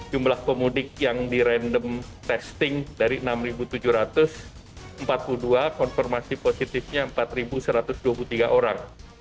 jumlah pemudik yang di random testing dari enam tujuh ratus empat puluh dua konfirmasi positifnya empat satu ratus dua puluh tiga orang